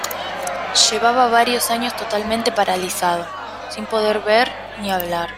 Llevaba varios años totalmente paralizado, sin poder ver ni hablar.